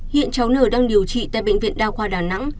hiện cháu nở đang điều trị tại bệnh viện đa khoa đà nẵng